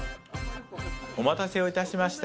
お待たせいたしました。